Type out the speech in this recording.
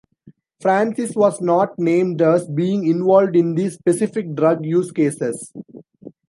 Francis was not named as being involved in these specific drug use cases.